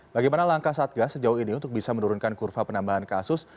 bagaimana langkah satgas sejauh ini untuk bisa menurunkan kurva penambahan kasus